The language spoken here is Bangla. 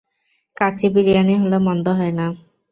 কাচ্চি বিরিয়ানি হলে মন্দ হয় না।